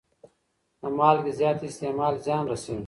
د مالګې زیات استعمال زیان رسوي.